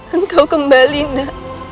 engkau kembali nanda